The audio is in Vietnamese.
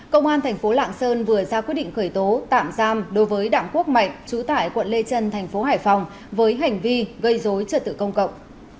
công an tp lạng sơn vừa ra quyết định khởi tố tạm giam đối với đảng quốc mạnh chủ tải quận lê trân tp hải phòng với hành vi gây dối trợ tự công cộng